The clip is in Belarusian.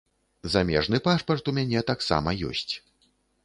Замежны пашпарт у мяне таксама ёсць.